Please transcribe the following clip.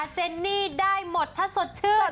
เจนนี่ได้หมดถ้าสดชื่น